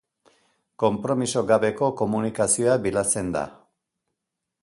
Konpromiso gabeko komunikazioa bilatzen da.